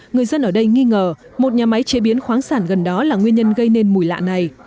người dân ở đây nghi ngờ một nhà máy chế biến khoáng sản gần đó là nguyên nhân gây nên mùi lạ này